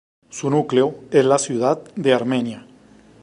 Su núcleo es la ciudad de Armenia.